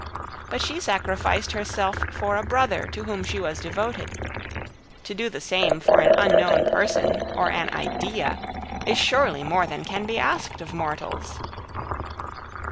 But she sacrificed herself for a brother to whom she was devoted; to do the same for an unknown person or an idea is surely more than can be asked of mortals.